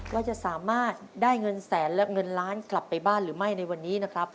ว่าจะสามารถได้เงินแสนและเงินล้านกลับไปบ้านหรือไม่ในวันนี้นะครับ